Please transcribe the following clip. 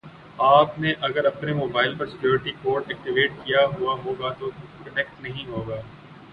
آپ نے اگر اپنے موبائل پر سیکیوریٹی کوڈ ایکٹیو کیا ہوا ہوگا تو کنیکٹ نہیں ہوگا